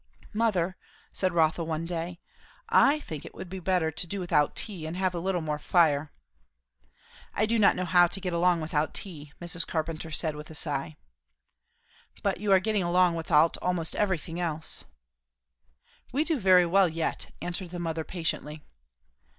"Mother," said Rotha, one day, "I think it would be better to do without tea and have a little more fire." "I do not know how to get along without tea," Mrs. Carpenter said with a sigh. "But you are getting along without almost everything else." "We do very well yet," answered the mother patiently.